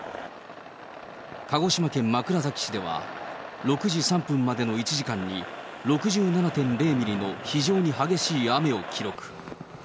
鹿児島県枕崎市では６時３分までの１時間に、６７．０ミリの非常に激しい雨を記録。